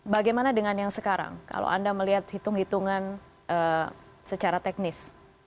bagaimana dengan yang sekarang kalau anda melihat hitung hitungan secara teknis